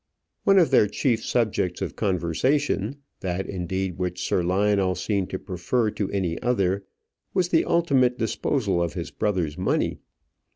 One of their chief subjects of conversation, that, indeed, which Sir Lionel seemed to prefer to any other, was the ultimate disposal of his brother's money.